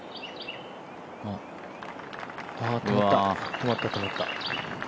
止まった、止まった。